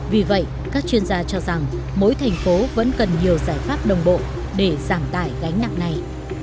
vì vậy các chuyên gia cho rằng mỗi thành phố vẫn cần nhiều giải pháp đồng bộ để giảm tải gánh nặng này